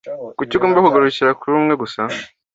Kuki ugomba kugarukira kuri umwe gusa?